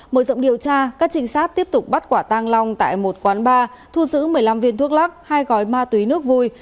mở rộng điều tra các trinh sát tiếp tục bắt quả tăng long tại một quán bar thu giữ một mươi năm viên thuốc lắc hai gói ma túy nước vui